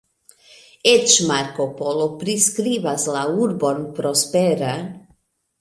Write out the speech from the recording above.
Eĉ Marko Polo priskribas la urbon prospera.